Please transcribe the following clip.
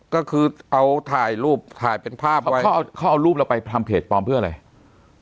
ก็คือเอาถ่ายรูปถ่ายเป็นภาพเอาไว้เขาเอารูปเราไปทำเพจปลอมเพื่ออะไร